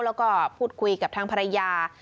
แล้วก็พูดคุยกับทางภรรยา